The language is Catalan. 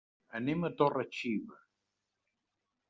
Anem a Torre-xiva.